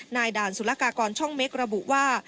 ด่านสุรกากรช่องเม็กระบุว่า